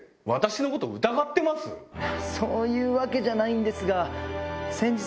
そういうわけじゃないんですが。